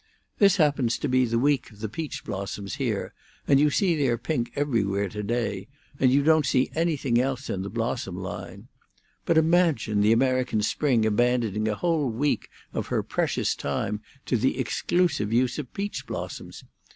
This happens to be the week of the peach blossoms here, and you see their pink everywhere to day, and you don't see anything else in the blossom line. But imagine the American spring abandoning a whole week of her precious time to the exclusive use of peach blossoms!